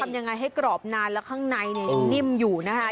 ทำยังไงให้กรอบนานและข้างในนิ่มอยู่นะคะ